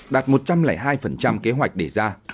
đạt một trăm linh hai kế hoạch để ra